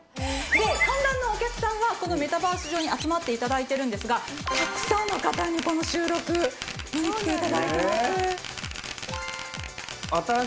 観覧のお客さんはこのメタバース上に集まって頂いてるんですがたくさんの方にこの収録見に来て頂いてます。